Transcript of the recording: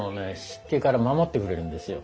湿気から守ってくれるんですよ。